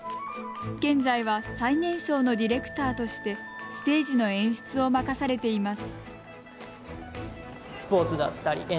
現在は最年少のディレクターとしてステージの演出を任されています。